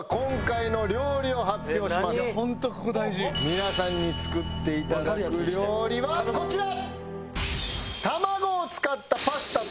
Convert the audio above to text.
皆さんに作っていただく料理はこちら！